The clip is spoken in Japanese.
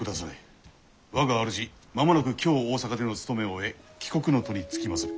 我が主間もなく京大坂での務めを終え帰国の途につきまする。